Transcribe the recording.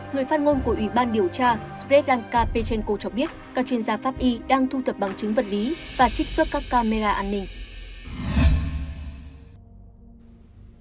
người phát ngôn của ủy ban điều tra sprenka penko cho biết các chuyên gia pháp y đang thu thập bằng chứng vật lý và trích xuất các camera an ninh